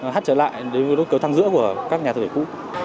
hắt trở lại đến nốt cửa thang giữa của các nhà thực vệ cũ